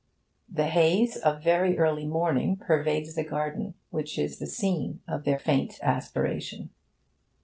The haze of very early morning pervades the garden which is the scene of their faint aspiration.